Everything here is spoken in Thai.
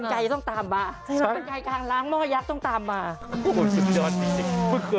จริงแล้วต้องยก